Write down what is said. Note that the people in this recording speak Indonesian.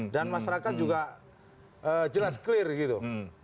dan masyarakat juga jelas clear gitu